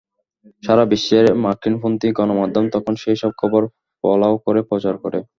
সারা বিশ্বের মার্কিনপন্থী গণমাধ্যম তখন সেসব খবর ফলাও করে প্রচার করে।